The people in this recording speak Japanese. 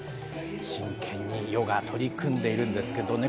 真剣にヨガ、取り組んでいるんですけどね。